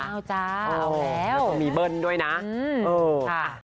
เอาจ้าเอาแล้วแล้วก็มีเบิ้ลด้วยนะเออค่ะ